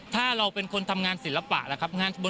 ถ้าเราเป็นคนทำงานศิลปะล่ะครับ